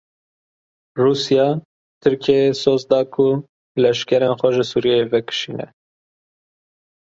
Rûsya; Tirkiyeyê soz da ku leşkerên xwe ji Sûriyeyê vekişîne.